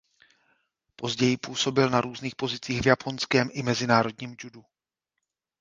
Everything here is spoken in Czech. Později působil na různých pozicích v japonském i mezinárodním judu.